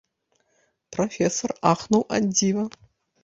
Прафесар ахнуў ад дзіва.